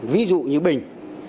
ví dụ như bình